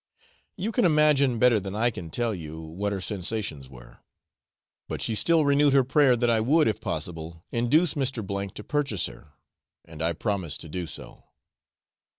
You can imagine better than I can tell you what her sensations were; but she still renewed her prayer that I would, if possible, induce Mr. to purchase her, and I promised to do so.